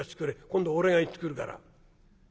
今度俺が行ってくるから。